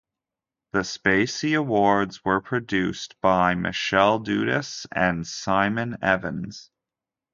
The Spacey Awards were produced by Michelle Dudas and Simon Evans.